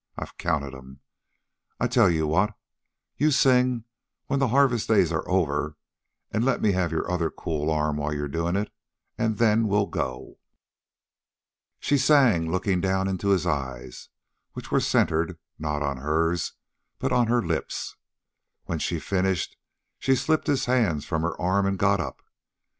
I counted 'em. I'll tell you what: you sing 'When the Harvest Days Are Over,' and let me have your other cool arm while you're doin' it, and then we'll go." She sang looking down into his eyes, which were centered, not on hers, but on her lips. When she finished, she slipped his hands from her arms and got up.